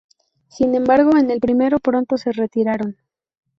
Sin embargo, en el primero pronto se retiraron.